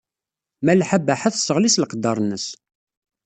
Malḥa Baḥa tesseɣli s leqder-nnes.